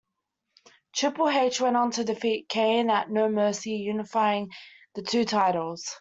Triple H went on to defeat Kane at No Mercy, unifying the two titles.